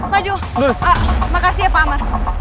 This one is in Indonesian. maju makasih ya pak amar